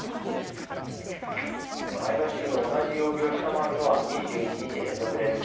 前の週の同じ曜日を下回るのは２２日連続です。